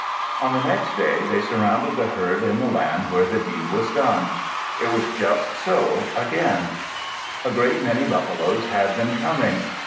On the next day they surrounded the herd in the land where the deed was done. It was just so again; a great many buffaloes had been coming.